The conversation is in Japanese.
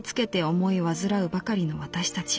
患うばかりの私たち。